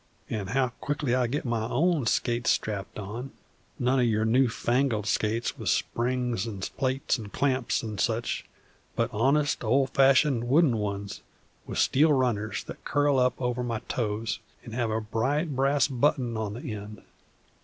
An' how quick I get my own skates strapped on, none o' your new fangled skates with springs an' plates an' clamps an' such, but honest, ol' fashioned wooden ones with steel runners that curl up over my toes an' have a bright brass button on the end!